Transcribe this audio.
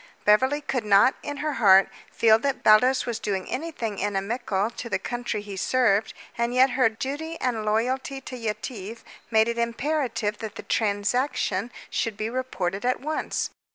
Beverly could not, in her heart, feel that Baldos was doing anything inimical to the country he served, and yet her duty and loyalty to Yetive made it imperative that the transaction should be reported at once.